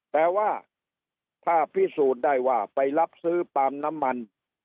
แต่ว่าถ้าพิสูจน์ได้ว่าไปรับซื้อปาล์มน้ำมัน